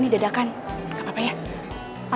masa yang selama berapa